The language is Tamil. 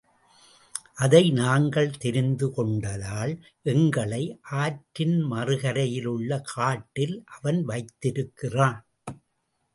அதை நாங்கள் தெரிந்துகொண்டதால் எங்களை ஆற்றின் மறுகரையில் உள்ள காட்டில் அவன் வைத்திருக்கிறான்.